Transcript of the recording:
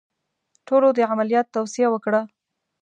ټولو د عملیات توصیه وکړه.